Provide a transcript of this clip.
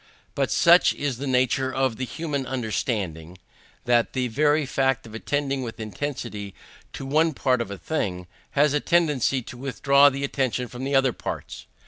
But such is the nature of the human understanding, that the very fact of attending with intensity to one part of a thing, has a tendency to withdraw the attention from the other parts.